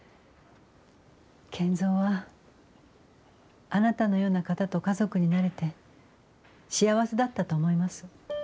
賢三はあなたのような方と家族になれて幸せだったと思います。